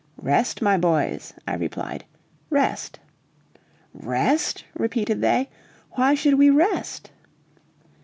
"Rest, my boys," I replied, "rest." "Rest?" repeated they. "Why should we rest?"